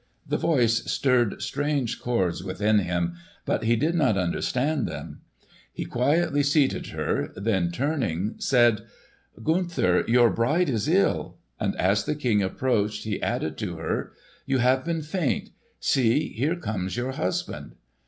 The voice stirred strange chords within him, but he did not understand them. He quietly seated her, then turning, said, "Gunther, your bride is ill." And as the King approached, he added to her, "You have been faint. See, here comes your husband."